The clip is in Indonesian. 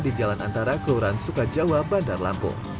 di jalan antara kelurahan sukajawa bandar lampung